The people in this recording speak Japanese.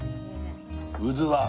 うずわ。